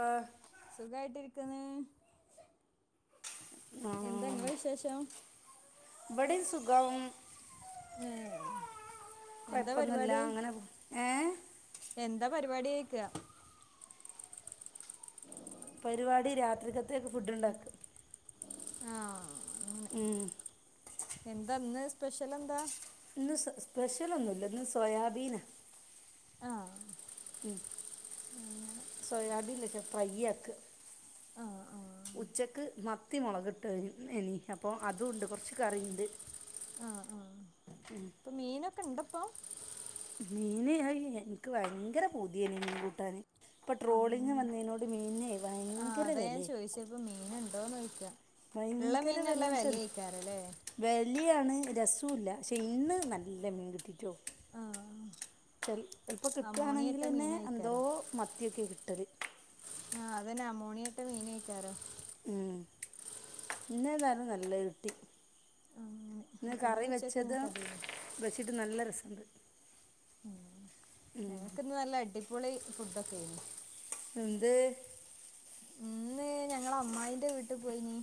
ആഹ് സുഖമായിരിക്കുന്നു എന്തെടുക്കണേ ഇവിടെ സുഖം ഏഹ് എന്താ കുഴപ്പമൊന്നുമില്ല പരിപാടി അങ്ങനെ പോകുന്നു എ ഇവിടെ ഇരിക്കുക പരിപാടി രാത്രികത്തേക്ക് ഫുഡ് ഉണ്ടാക്കും ആഹ ഉം എന്താ ഇന്ന് സ്പെഷ്യൽ എന്താ ഇന്ന് സ്പെഷ്യൽ ഒന്നുമില്ല സോയാബീനാ ആഹ ഉം സോയാബീ ഉണ്ടല്ലോ വയ്യേനിക്ക് ആഹ് ആഹ് ഉച്ചക്ക് മത്തി മത്തിമുളക് ഇട്ട് ഇനി അപ്പൊ അതും ഉണ്ട് കുറച്ച് കറിയുണ്ട് ആഹ ആഹ അപ്പൊ മീനൊക്ക കണ്ടപ്പോൾ മീൻ എനിക്ക് ഭയങ്കര പൂതിയാണ് മീൻ കൂട്ടാൻ ഇപ്പോൾ ട്രോളിംഗങ് അങ്ങനെ വന്നതോടുകൂടി മീനെ ഭയങ്കര വില ഉണ്ടെങ്കിൽ വിളിക്കാം ഭയങ്കര വില നല്ല വലിയാണ് രസവുമില്ല പക്ഷേ ഇന്ന് നല്ല മീൻ കിട്ടിയിട്ടോ ആഹ് ഇപ്പൊ കിട്ടുകയാണെങ്കിൽ അമോണിയട്ട തന്നെ എന്തോ മീനേക്കാരം മതിയാണ് കിട്ടാറ് ആഹ അതെന്നാ അതുതന്നെയാമോണിയിട്ട മീൻ കഴിക്കാലോ ഉം ഇന്ന് ഏതായാലും നല്ലത് കിട്ടി അങ്ങനെ ഇന്ന് അപ്പൊ കറി ഉച്ചക്ക് വെച്ചതും ഇങ്ങക്ക് വെച്ചിട്ട് നല്ല രസുണ്ട് മം ഞങ്ങൾക്ക് ഇന്ന് നല്ല അട അടിപൊളി ഫുഡ് ഒക്കെയാണ് എന്ത് ഇന്ന് ഞങ്ങൾ അമ്മായിയുടെ വീട്ടിൽ പോയി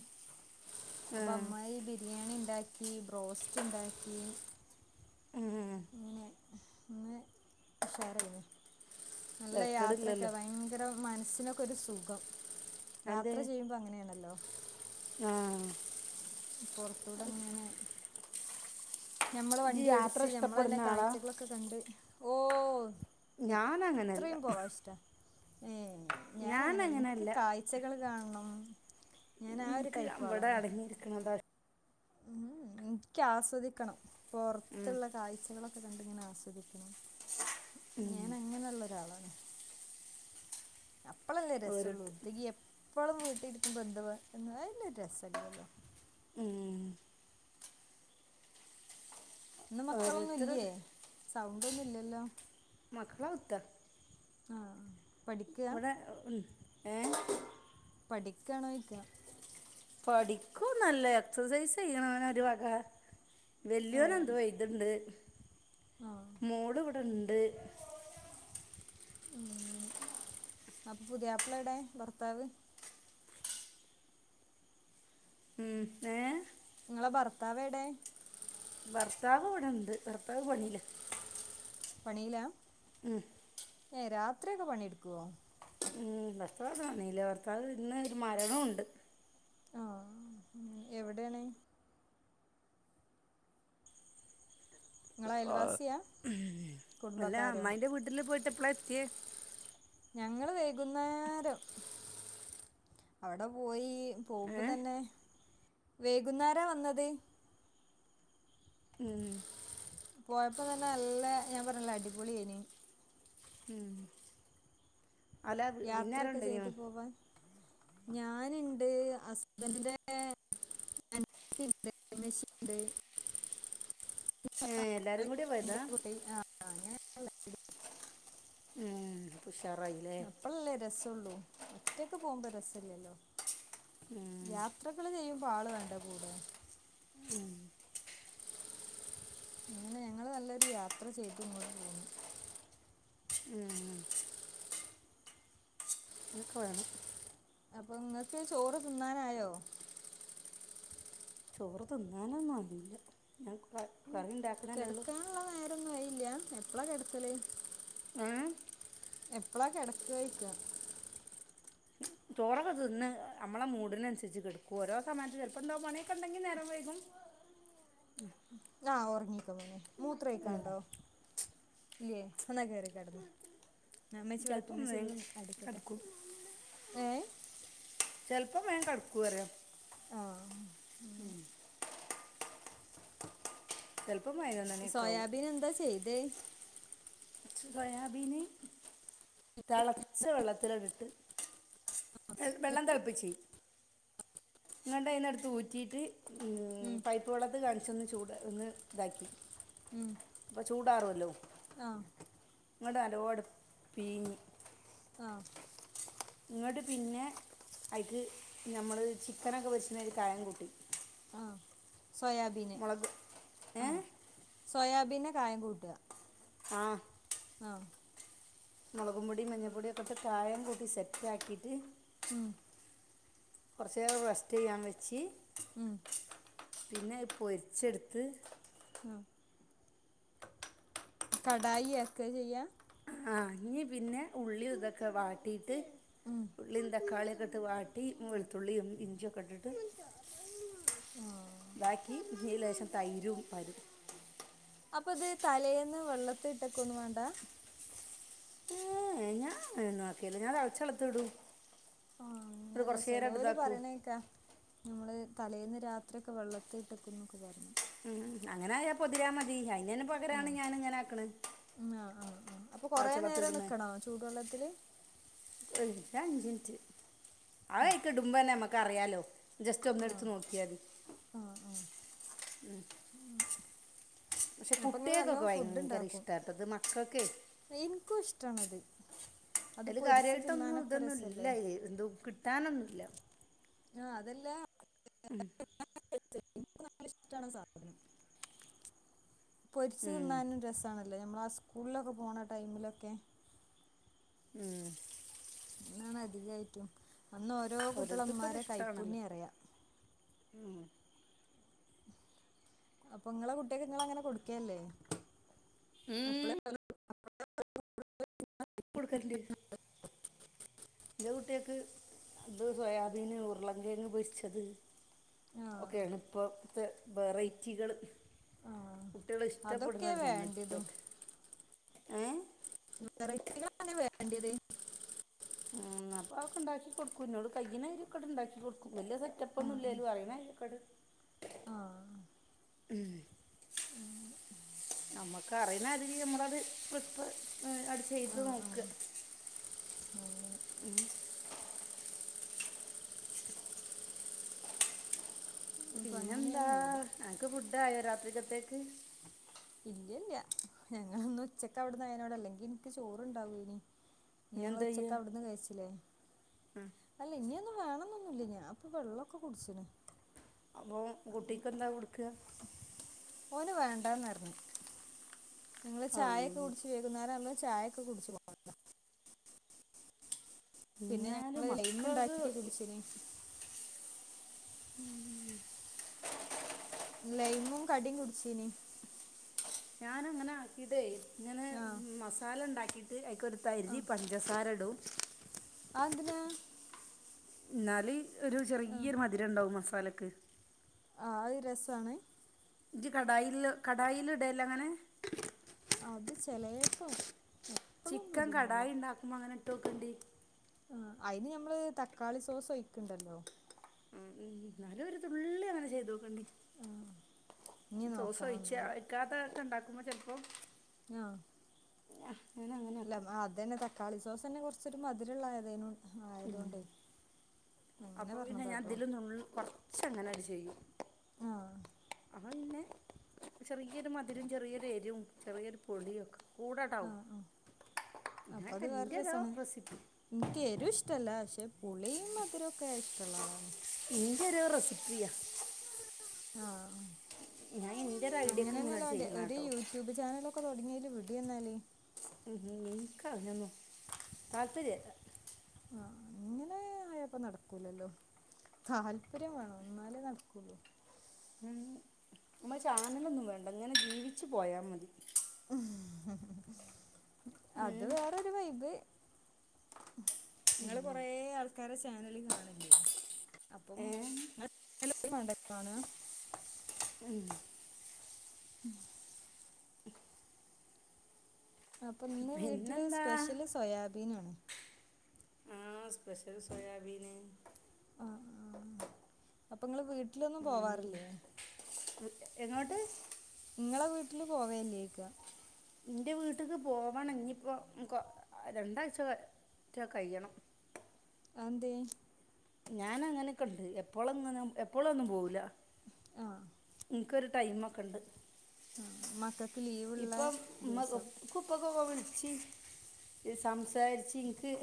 അപ്പോ ആഹ് അമ്മായി ബിരിയാണിയും ഉണ്ടാക്കി ബോസ്റ്റ് ഉണ്ടാക്കി ഉഏ ഇന്ന [unintelligible] ഉഷാറായിന നല്ല യാത്രക്കെ തെരക്കേടില്ലല്ലോ ഭയങ്കര മനസ്സിനൊക്കെ ഒരു സുഖം യാത്ര ചെയ്യുമ്പോ അങ്ങനെയാണല്ലോ ആഹ പുറത്തോട്ടു എങ്ങനെ ഞമ്മള് ഇജ്ജ് വണ്ടി യാത്ര ഒടിച്ച് ഞമ്മള തന്നെ ഇഷ്ടപ്പെടുന്ന ആളാ കാഴ്ചകളൊക്കെ കണ്ട് ഓ ഞാനങ്ങനല്ല എത്രയും പോവാ ഇഷ്ട ഞാനങ്ങനെ എനിക്ക് കാഴ്ചകൾ കാണണം ഞാൻ ആ ഒരു നിനിക്ക് ടൈപ്പ് അവിടെ ആളാണ് അടങ്ങിയിരിക്കണതാ ഉം എനിക്ക് ആസ്വദിക്കണം ഉം പുറത്തുള്ള കാഴ്ചകളൊെ ഒക്കെ കണ്ടിങ്ങനെ ആസ്വദിക്കണം ഞാൻ അങ്ങനെുള്ളരാളാണ് അപ്പളല്ലേരസള്ളൂ ഓരോരുത്ത ഒത്തുകിയ ഇപ്പോളും വീട്ടിലിരിക്കും ബന്ധങ്ങൾ എന്ന് ഡ്രസ്ലിയല്ലോ ഉം ഇന്ന് മക്കളൊന്നും ഓരോരുത്തര് ഇല്ലയേ സൗണ്ടൊന്നും ഇല്ലല്ലോ മക്കള ഉത്തര [inaudible] ആഹ ഇവിടെ ഏ പഠിക്കണോക്ക് പഠിക്കൂ നല്ല എക്സസൈസ് ചെയ്യണന ഒരു വക ഓ വല്യോന എന്തു വയസ് ഇതുണ്ട് ആ മോള് ഇവിടെണ്ട് അത് ഉ അപ്പൊ പുതിയയാപ്പിള എട ഭർത്താവ് ഉം ഏ നിങ്ങളെ ഭർത്താവ് എവിടെ ഭർത്താവ് ഇവിടെണ്ട് ഭർത്താവ് പണില്ല പണീല ഏ രാ ത്രിയൊക്കെ പണിയെടുക്കുവോ ഉം [unintelligible] ഇന്ന് ഒരു മരണമുണ്ട് ആ എവിടെയാണ് നിങ്ങളെ അയൽവാസിയാ അല്ല കുടുംബക്കാരോ അമ്മായിന്റെ വീട്ടില് പോയിട്ട് എപ്പളാ എത്തിയേ ഞങ്ങള് വൈകുന്നേരം അവിടെ പോയി പോകുമ്പോ ഏ തന്നെ വേകുന്നേരവാ വന്നത് ഉം കുഴപ്പം ഒന്നുവില്ല നല്ല ഞാൻ പറഞ്ഞില്ല അടിപൊളിയായിനി ഉം അല്ലാ യാത്രയൊക്കെ ചെയ്ത് വിന്നറുണ്ട്നോ പോവാൻ ഞാനുണ്ട് അസ്ബറിന്റെ അനിയത്തി ഉണ്ട് [unintelligible] ഏ എല്ലാരും കൂടിയ എന്റെ പോയതാ കുട്ടി ആ ഞാൻ ഉം അപ്പൊ ഉഷാ അപ്പളല്ലേ രസവുള്ളൂ ഒറ്റക്ക് പോകുമ്പോ ര മില്ലല്ലോ ഉം യാത്രകള് ചെയ്യുമ്പോ ആള് വേണ്ടേ കൂടെ ഉം അങ്ങനെ ഞങ്ങള് നല്ലൊരു യാത്ര ചെയ്തു ഇങ്ങോട്ട് പോന്നു ഉം അതൊക്കെ വേണം അപ്പൊ നിങ്ങക്ക് ചോറ് തിന്നാറായോ ചോറ് തിന്നാനൊന്നും ആയില്ല ഞാൻ ക- കറി ഉണ്ടാക്കണല്ലേ ഉള്ളൂ കെടക്കാനുള്ള നേരൊന്നും ആയില്ലാ എപ്പളാ കെടക്കല് ഏ? എപ്പളാ കെടക്കാ ഇക്കാ ചോറൊക്കെ തിന്ന് നമ്മടെ മൂഡിനനുസരിച്ച് കിടക്കും ഓരോ സമയത്തും ചെിലപ്പോ എന്തോ പണിയൊക്കെ ഉണ്ടെങ്കി നേരം വൈകും ആ ഒറ [unintelligible] മൂത്രം ഒയിക്കാനുണ്ടോ ഇല്ലേ എന്നാ കേറി കെടന്നോ ആ ഉമ്മച്ചി ഇവിടെ നിക്ക്‌ ചിലപ്പം ഉമ്മച്ചി വേഗം ഇതൊന്ന് അടിക്കട്ടെ കിടക്കും ഏ ചിലപ്പം വേഗം കിടക്കും പറയാ ആ ഉം അങ്ങനെ ചെല സോയാബീൻ എന്താ ചെയ്തേ സോയാബീന് തിളച്ച വെള്ളത്തിലോട്ടിട്ട് എ വെള്ളം തിളപ്പിച്ചു ഇങ്ങണ്ട അയിന്നെടുത്ത് ഊറ്റിട്ട് ഉം പൈപ്പ് വെള്ളത്തി കാണിച്ചൊന്ന് ചൂട് ഒന്ന് ഇതാക്കി ഉം അപ്പൊ ചൂടാറുല്ലോ ആ നിങ്ങുടെ അലോട് പീഞ്ഞി ആഹ് ഇങ്ങോട്ട് പിന്നെ അയ്ക്ക് ഞമ്മൾ ചിക്കനൊക്കെ വച്ചുന്ന ഒരു കായം കൂട്ടി ആഹ് സോയാബീന് മുളക് ഏ ആഹ് സോയാബീനെ കായം കൂട്ടുക ആഹ് ആഹ് മുളകും പൊടി മഞ്ഞൾപ്പൊടി ഒക്കെ ഇട്ട് കായം കൂട്ടി സെറ്റ് ആക്കിട്ട് ഉം കുറച്ചു നേരം റെസ്റ്റ് ചെയ്യാൻ വെച്ച് ഉം പിന്നെ പൊരിച്ചെടുത്ത് ഉം കടായി ആക്ക ചെയ്യ ആ ഇനി പിന്നെ ഉള്ളി ഇതൊക്കെ വാട്ടിയിട്ട് ഉം ഉള്ളിം തക്കാളിയൊക്കെ ഇട്ട് വാട്ടി വെളുത്തുള്ളിയും ഇഞ്ചിയൊക്കെ ഇട്ടിട്ട് ആഹ് ദാക്കി ലേശം തൈരും പരു- അപ്പൊ ഇത് തലേന്ന് വെള്ളത്തി ഇട്ടൊക്കെ ഒന്നും വേണ്ട ഏയ് ഞാൻ അങ്ങനെ അക്കിയല്ല ഞാൻ തളചവെള്ളത്തി ഇടൂ ആഹ് അങ്ങനല്ല ചെലോല് പറയണേക്കാ ഞമ്മള് തലേന്ന് രാത്രിക്കെ വെള്ളത്തി ഇട്ടിക്കും എന്നൊക്കെ പറഞ്ഞു ഉം അങ്ങനായ പൊതിരാമ്മതി [unintelligible] പകരാണ് ആഹ് ഞാന്ങ്ങനെ ആക്ക്ണ് ഉം ആഹ് ആഹ് ആഹ് അപ്പൊ കൊറേ നേരം നിക്കണോ ചൂടുവെള്ളത്തില് [unintelligible] അഞ്ച്ൻറ്റ് ആ അയ്ക്ക്ടുമ്പെന്നെ ഞമ്മക് ക്കറിയാലോ ആഹ് ജസ്‌റ്റൊന്ന്ട്ത്ത് നോക്ക്യാതി ആഹ് ആഹ് പക്ഷെ അപ്പൊ ഇങ്ങള് കുട്ട്യാക്കൊക്കെ നല്ലോം ഫുഡ് ഭയങ്കര ഇണ്ടാക്കും ഇഷ്ടാട്ടോ ത് മക്കക്കെ ഇൻക്കും ഇഷ്ടാണത് അത് അയ്ല് പൊരിച്ച് തിന്നാനൊക്കെ കാര്യായിട്ടൊന്നുംതൊന്നുംല്ല രസല്ലേ ന്തോ കിട്ടാനൊന്നുല്ല ആ അതല്ല ഉം ഇഷ്ടാണ് സാധനം പൊരിച്ച് ഉം. തിന്നാനും രസാണല്ലോ നമ്മളാ സ്കൂളിലൊക്കെ പോണ ടൈമിലൊക്കെ ഉം ന്നാണ് അധികായ്റ്റും അന്ന് ഓരോ കുട്ട്യാളെ ഓരോരുത്തർക്കും മ്മാരെ കൈപ്പുണ്യറിയാ ഉം അപ്പൊ നങ്ങളെ കുട്ട്യാക്ക് ങ്ങളങ്ങനെ കൊടുക്കല്ലേ അപ്പളെ [inaudible] കൊടുക്കല്ണ്ട് എന്റെ കുട്ട്യാക്ക് അത് സോയാബീന് ഉരുളകിഴങ്ങ് പൊരിച്ചത് ആഹ് ഒക്കെയാണ് ഇപ്പം ത്തെ വെറൈറ്റികള് ആഹ് അതൊക്കെ വേണ്ടെതും സംഗതികളൊക്കെ ഏഹ് വെറൈറ്റികളാണ് വേണ്ടത് ഉം അപ്പൊ അതൊക്കെ ഇണ്ടാക്കി കൊടുക്കും ഇന്നോട് കയ്യ്ണരി ഒക്കെണ്ട് ഇണ്ടാക്കി കൊടുക്കും വല്യ സെറ്റപ്പ് ആഹ് ഒന്നുല്ലേലും അറിയണാരി ഒക്കണ് ആഹ് ഉം ആഹ് നമ്മക്ക് അറിയുന്ന ആതിരി നമ്മളത് [unintelligible] ഉം അട് ചെയ്ത് ആഹ് ആഹ് നോക്ക അങ്ങനെ ഉം അപ്പൊ പിന്നെന്താ അങ്ങനെയാണുള്ളത് അനക്ക് ഫു ഡായോ രാത്രിക്കത്തേക്ക് ഇല്ല്യ ഇല്ല്യ ഞങ്ങളിന്നുച്ചക്ക് അവിടെന്നായീനോണ്ട് അല്ലെങ്കി ഇൻക്ക് ചോറുണ്ടാവോനി ഇനി ഞങ്ങള് എന്താ ചെയ്യാ ഉച്ചക്ക് അവിട്ന്ന് കഴിച്ചിലെ ഉം അല്ല ഇനി ഒന്നും വേണൊന്നും ന്നുല്ല ഞാൻ ഇപ്പൊ വെള്ളൊക്കെ കുടിച്ച്ണ് അപ്പൊ കുട്ടിക്ക് എന്താ കൊടുക്ക ഓന് വേണ്ടന്നർന്ന് നിങ്ങള്ൾ ചായെക്കെ അള്ളാ കുടിച്ചു വെക്കുന്നോരമ്പേ ചായൊക്കെ കുടിച് [unintelligible] പിന്നെ എന്നാലും ഞങ്ങള് മക്കൾക്ക് ലൈ്മ്ണ്ടാക്കി കുടിച്ചിന് ഉം ലൈമ്മും കടീംകുടിച്ചീനി ഞാനങ്ങനെ ആക്കിടെ ഇങ്ങനെ ആഹ് മസാലണ്ടാക്കി [unintelligible] ക്ക് ഒര്ത്തരി പഞ്ചസാര്ടും ആന്തിനാ ന്നാല് ഒരു ചെറിയൊരു മധുരണ്ടാവും മസ പലക് ആഹ് അത് രസാണ് ഇജ് കടായിൽ കടായിലിടല്ലേ അങ്ങനെ അത് ചെലേപ്പാ ചിക്കൻ കടായി ഇണ്ടാക്കുമ്പോ അങ്ങനെ ട്ടോക്കണ്ടി ആ അയിന് ഞമ്മള് തക്കാളി സോസ് ഒയിക്ക്ണ്ടല്ലോ ഉം ഉം ന്നാലും ഒരു തുള്ളി അങ്ങനെ ചെയ്തോക്കണ്ടി ആഹ് ഇനി സോസ് നോക്കണം ഒഴിച്ചാ എന്നാല് ക്കാത ഇണ്ടാക്ക ഉമ്മ ചെലപ്പോ ആഹ് അങ്ങനെ അല്ല ആക്കും അതന്നെ തക്കാളി സോസന്നെ കൊറച്ച് ച്ചൊരു മധുരള്ളത് ആയതേൻ ആയതുകൊണ്ടേ അങ്ങനെ അപ്പൊ പിന്നെ ഞാൻ പറഞ്ഞതാട്ടോ ഇതില് നുള്ള് കൊറ പക്ഷെ അങ്ങനെ അത് ചെയ്യും ആഹ് ആ പിന്നെ ചെറിയൊരു മധുരവും ചെറിയൊരു എരിവും ചെറിയൊരു പുളിയും ഒക്കെ കൂടടാവും ആഹ് ആഹ് അപ്പ അങ്ങനൊക്കെ അത് വേറെ എൻ്റെ ഒരു രസമാണ് റെസിപ്പി എനിക്കെരു ഇഷ്ടല്ല പക്ഷെ പുളിയും മധുരൊക്കെ ഇഷ്ടമുള്ള ആളാണ് ഇന്റെ ഒരു റെസിപ്പിയാ ആഹ് ആഹ് ഞാൻ ഇന്റെ ഒരു ഐഡിയക്ക് ഇങ്ങനാണ്ട് ചെയ്യ്ന്നാട്ടോ ഇപ്പ തുടങ്ങീയേല് വിടിന്നാല് ഉം ഉം നിക്കതിനൊന്നും താല്പര്യല്ല അങ്ങനെ ആയപ്പ നടക്കൂലല്ലോ താല്പര്യം വേണം ഇന്നാലേ നടക്കുള്ളു ഉം മ്മ ചാനലൊന്നും വേണ്ട ഇങ്ങനെ ജീവിച്ചു പോയാ മതി ഉം അത് ഉം വേറൊരു വൈബ് ഇങ്ങള് കൊറേ ആൾക്കാരെ സ ചാനല് കാണലില്ലേ അപ്പം ഏ [unintelligible] ത് മാണ്ടേ കാണാ ഉം ഉം അപ്പൊ ഇന്ന് വീട്ടില് പിന്നെന്താ സ്പെഷ്യല് സോയാബീൻ ആണ് ആ സ്പെഷ്യൽ സോയാബീന് ആഹ് ആഹ് അപ്പൊങ്ങള് വീട്ട് ല് ഒന്നും ഉം പോവാറില്ലേ എങ്ങോട്ട് നിങ്ങളെ വീ ട്ടില് പോവല്ലേന്ന് [unintelligible] ക്ക ന്റെ വീട്ടിക്ക് പോവണം ഞ്പ്പോ കൊ രണ്ടാഴ്ച റ്റെ കൈയണം അന്തേ ഞാൻ അങ്ങനൊക്കെണ്ട് എപ്പോളോന്നും അങ്ങനെ എപ്പോളും ഒന്നും പോവില്ല ആ എൻക്കൊരു ടൈമക്കെ ഇണ്ട്. ആ മക്കൾക്ക് ലീവുള്ള ഇപ്പോം മ്മ്ക്ക് ദിവസം ഉപ്പക്കൊക്കെ വിളിച്ചി ഇത് സംസാരിച്ച് ഇൻക്ക്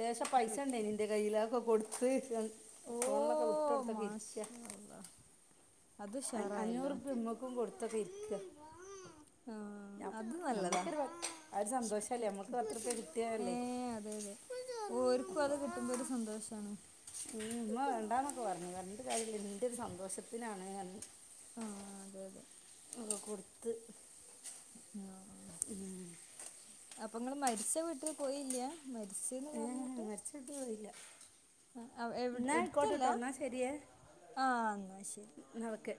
ലേശം പൈസ ഫ്രീ ഇണ്ടേനി ഇന്റെ കയ്യില്. അതൊക്കെ കൊടുത്ത് [unintelligible] ഓ ഫോണിലൊക്കെ വിട്ടൊടുത്തൊക്കെ ഇരിക്ക മാഷാ അല്ലാ അത് അ ഉഷാറായല്ലോ അഞ്ഞൂറുപ്പ്യ ഉമ്മക്കും കൊടുത്തക്ക ഇരിക്ക്യ ആഹ് അത് നല്ലതാ ആ ഒരു സന്തോഷമല്ലേ നമുക്ക് പത്ത് ഉറുപ്പ്യ കിട്ടിയതല്ലേ ഏഹ് അതെ അതെ. ഓരിക്കും അത് കിട്ടുമ്പോ ഒരു സന്തോഷാണ്. ഉം ഉമ്മ വേണ്ടാന്നൊക്കെ പറഞ്ഞ് എന്റെ കയ്യിന്ന് ഇന്റൊരു സന്തോഷത്തിനാണ്ന്ന് പറഞ്ഞ് ആഹ് അതെ അതെ ക്ക കൊടുത്ത്. ആ ഉം അപ്പൊ നിങ്ങള് മരിച്ച വീട്ടില് പോയില്ല്യാ ആഹ് മരച്ചിട്ട് ഇല്ല ആ, എവിടെ എന്നാ എടുത്തല്ല ആയിക്കോട്ടേട്ടോ എന്നാ ശരിയേ ആ എന്നാ ശരി എന്ന ഓക്കെ